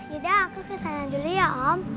yaudah aku kesana dulu ya om